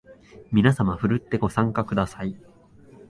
みなさまふるってご参加ください